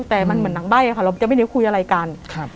แต่มันเหมือนหนังใบ้ค่ะเราจะไม่ได้คุยอะไรกัน